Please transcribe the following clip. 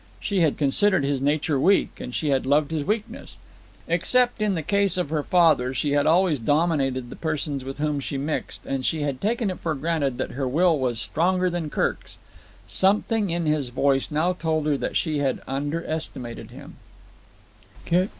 She had considered his nature weak, and she had loved his weakness. Except in the case of her father, she had always dominated the persons with whom she mixed; and she had taken it for granted that her will was stronger than Kirk's. Something in his voice now told her that she had under estimated him.